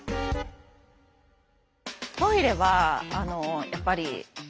トイレはやっぱりあっ。